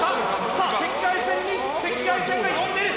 さあ赤外線に赤外線が呼んでる。